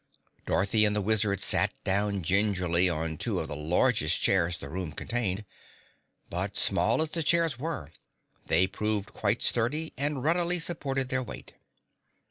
Dorothy and the Wizard sat down gingerly on two of the largest chairs the room contained. But small as the chairs were, they proved quite sturdy and readily supported their weight.